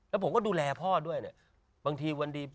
และผมก็ดูแลพ่อด้วยเนี่ย